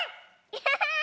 アハハ！